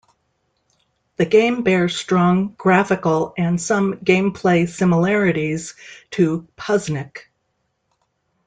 The game bears strong graphical and some gameplay similarities to "Puzznic".